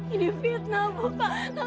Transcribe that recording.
ini fitnah bu